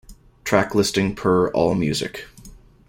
Track listing per AllMusic.